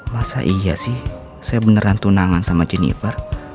masa iya sih saya beneran tunangan sama jennifer